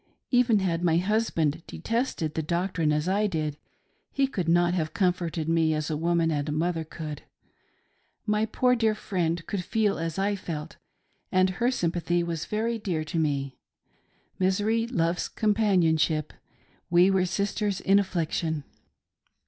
Even had my husband detested the doc trine, as I did, he could not have comforted me as a woman and a mother could. My poor friend could feel as I felt, and her sympathy was very dear to me — misery loves companion ship— we were sisters in affliction.